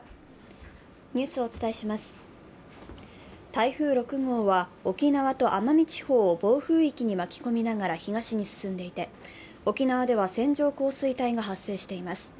台風６号は、沖縄と奄美地方を暴風域に巻き込みながら東に進んでいて、沖縄では線状降水帯が発生しています。